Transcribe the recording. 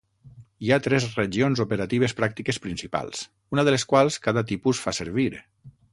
Hi ha tres regions operatives pràctiques principals, una de les quals cada tipus fa servir.